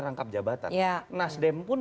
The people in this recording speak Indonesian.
rangkap jabatan nasdem pun